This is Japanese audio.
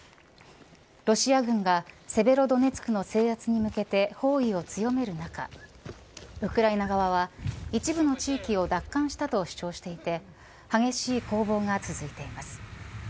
ロシア軍がセベロドネツクの制圧に向けて包囲を強める中ウクライナ側は一部の地域を奪還したと主張していて激しい攻防が続いています。